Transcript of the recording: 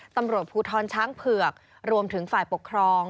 ตำรวจภูทรช้างเผือกรวมถึงฝ่ายปกครอง